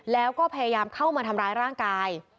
แล้วก็พยายามเข้ามาทำร้ายร่างกาย